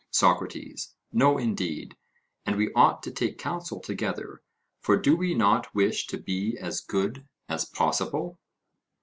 SOCRATES: No, indeed, and we ought to take counsel together: for do we not wish to be as good as possible?